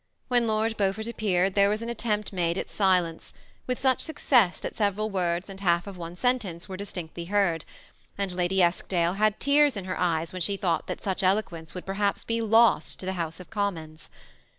When Lord Beaufort appeared, there was an attempt made at silence, with such success that sev eral words and half of one sentence were distinctly heard ; and Lady Eskdale had tears in jier eyes when she thought that such eloquence would perhaps be lost to the House of Commons.